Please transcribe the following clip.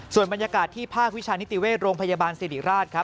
ส่วนบรรยากาศที่ภาควิชานิติเวชโรงพยาบาลสิริราชครับ